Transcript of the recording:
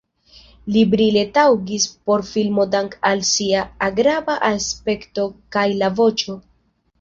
Li brile taŭgis por filmo dank‘ al sia agrabla aspekto kaj la voĉo.